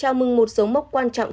trao mừng một số mốc quan trọng